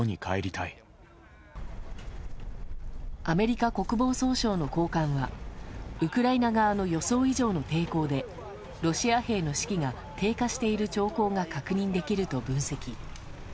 アメリカ国防総省の高官はウクライナ側の予想以上の抵抗でロシア兵の士気が低下している兆候が確認できると分析。